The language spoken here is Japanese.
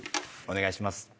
お願いします。